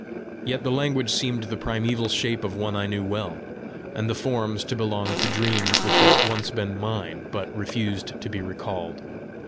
Yet the language seemed the primeval shape of one I knew well, and the forms to belong to dreams which had once been mine, but refused to be recalled.